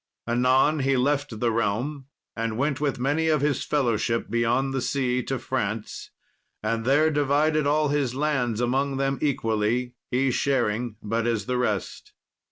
Anon he left the realm, and went with many of his fellowship beyond the sea to France, and there divided all his lands among them equally, he sharing but as the rest.